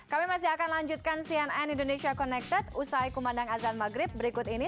kami masih akan lanjutkan cnn indonesia connected usai kumandang azan maghrib berikut ini